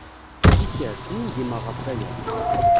Tikkal, swingimeɣ ɣef waya.